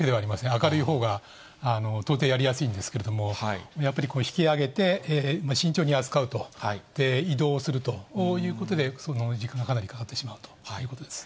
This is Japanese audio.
明るいほうが到底、やりやすいんですけれども、やっぱり引き揚げて慎重に扱うと、移動するということで、時間がかなりかかってしまうということです。